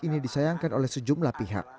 ini disayangkan oleh sejumlah pihak